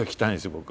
僕。